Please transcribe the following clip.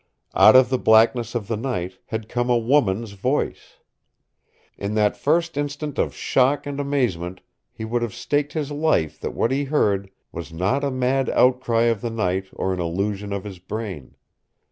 Out of the blackness of the night had come a woman's voice! In that first instant of shock and amazement he would have staked his life that what he heard was not a mad outcry of the night or an illusion of his brain.